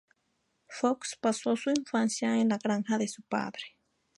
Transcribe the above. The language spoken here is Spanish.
Foxx pasó su infancia en la granja de su padre.